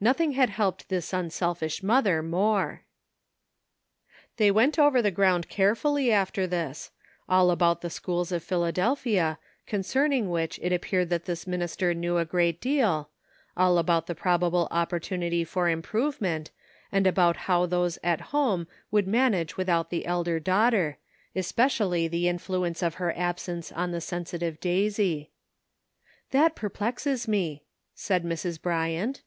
Nothing had helped this unselfish mother more. CONFLICTING ADVICE. 205 They went over the ground carefully after this : all about the schools of Philadelphia, concerning which it appeared that this minister knew a great deal, all about the probable oppor tunity for improvement, and about how those at home would manage without the elder daughter, especially the influence of her absence on the sensitive Daisy. "That perplexes me," said Mrs. Bryant.